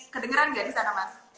kedengeran gak di sana mas